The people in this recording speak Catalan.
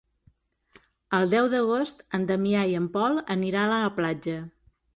El deu d'agost en Damià i en Pol aniran a la platja.